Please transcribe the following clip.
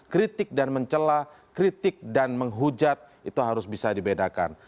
kritik dan mencelah kritik dan menghujat itu harus bisa dibedakan